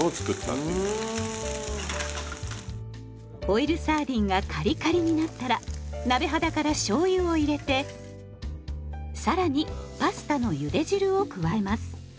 オイルサーディンがカリカリになったら鍋肌からしょうゆを入れて更にパスタのゆで汁を加えます。